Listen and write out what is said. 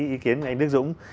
ý kiến của anh đức dũng